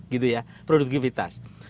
gitu ya produktivitas